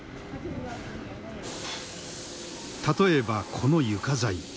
例えばこの床材。